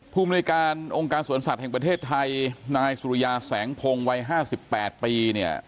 ภูมิในการองค์การสวนสัตว์แห่งประเทศไทยนายสุริยาแสงพงศ์วัย๕๘ปีเนี่ย